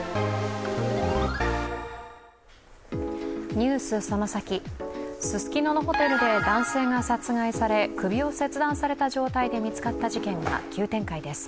「ＮＥＷＳそのサキ！」、ススキノのホテルで男性が殺害され、首を切断された状態で見つかった事件が急展開です。